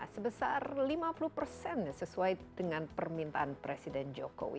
sebesar lima puluh persen sesuai dengan permintaan presiden jokowi